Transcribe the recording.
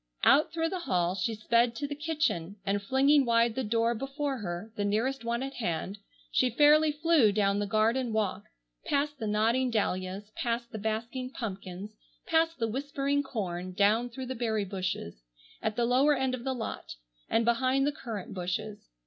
Out through the hall she sped to the kitchen, and flinging wide the door before her, the nearest one at hand, she fairly flew down the garden walk, past the nodding dahlias, past the basking pumpkins, past the whispering corn, down through the berry bushes, at the lower end of the lot, and behind the currant bushes.